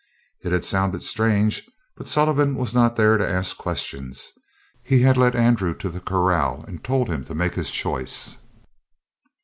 It had sounded strange, but Sullivan was not there to ask questions. He had led Andrew to the corral and told him to make his choice.